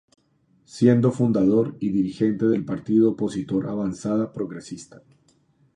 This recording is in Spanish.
Siendo fundador y dirigente del partido opositor Avanzada Progresista.